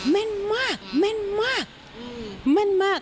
แม่นมากแม่นมากแม่นมาก